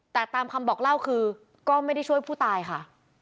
แต่ตามคำบอกเล่าคือก็ไม่ได้ช่วยผู้ตายค่ะ